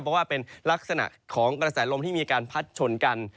เพราะว่าเป็นลักษณะของกระแสลมที่มีการพัดชนกัน